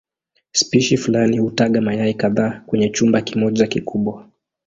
Spishi fulani hutaga mayai kadhaa kwenye chumba kimoja kikubwa.